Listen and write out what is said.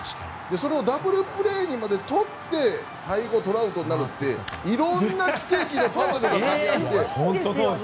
それをダブルプレーにとって最後トラウトっていろんな奇跡のバトルがかみ合って。